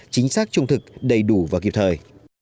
chính xác trung thực đầy đủ và kịp thời